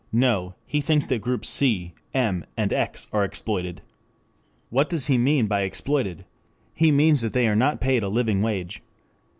No, he thinks that groups C, M, and X are exploited. What does he mean by exploited? He means they are not paid a living wage.